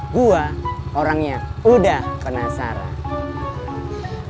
gue orangnya udah penasaran